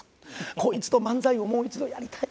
こいつと漫才をもう一度やりたい。